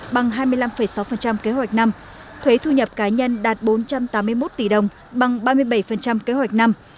bằng hai mươi năm sáu kế hoạch năm thuế thu nhập cá nhân đạt bốn trăm tám mươi một tỷ đồng bằng ba mươi bảy kế hoạch năm